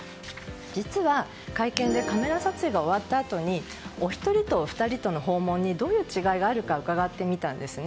実は会見でカメラ撮影が終わったあとお一人と２人との訪問にどういう違いがあるか伺ってみたんですね。